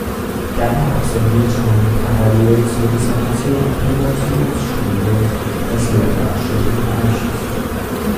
Dann absolviert man parallel zur Dissertation ein „Promotionsstudium“, das Lehrveranstaltungen einschließt.